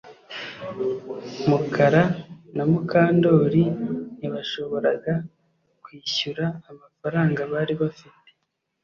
Mukara na Mukandoli ntibashoboraga kwishyura amafaranga bari bafite